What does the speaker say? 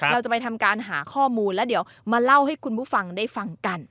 เราจะไปทำการหาข้อมูลแล้วเดี๋ยวมาเล่าให้คุณผู้ฟังได้ฟังกัน